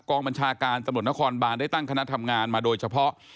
กองบัญชาการตำรวจนครบานได้ตั้งคณะทำงานมาโดยเฉพาะ